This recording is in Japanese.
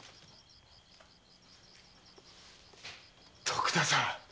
徳田さん。